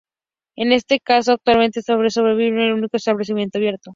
En este caso actualmente sólo sobrevive un único establecimiento abierto.